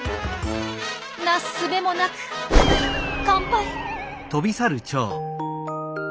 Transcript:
なすすべもなく完敗。